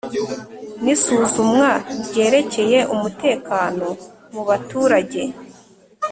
n isuzumwa ryerekeye umutekano mubaturage